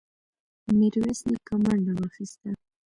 ميرويس نيکه منډه واخيسته.